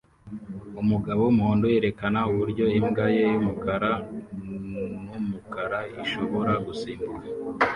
Umugabo wumuhondo yerekana uburyo imbwa ye yumukara numukara ishobora gusimbuka